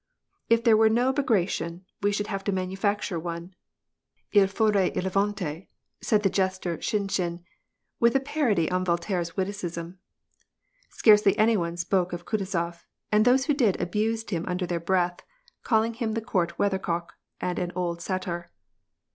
" If there were no Bagration, we should have to manufacture one — il faudrait Pinventer '' said the jester Shinshin, with a parody on Voltaire's witticism. Scarcely any one spoke of Kutuzof, and those who did abused him under their breath, calling him the court weathercock, and an old satyr.